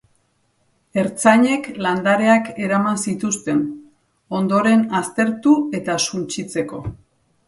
Ertzainek landareak eraman zituzten, ondoren aztertu eta suntsitzeko.